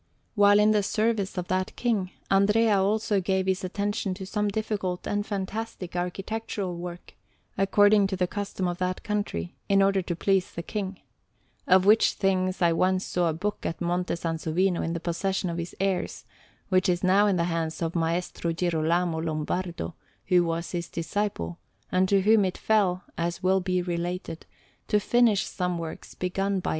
While in the service of that King, Andrea also gave his attention to some difficult and fantastic architectural works, according to the custom of that country, in order to please the King; of which things I once saw a book at Monte Sansovino in the possession of his heirs, which is now in the hands of Maestro Girolamo Lombardo, who was his disciple, and to whom it fell, as will be related, to finish some works begun by Andrea.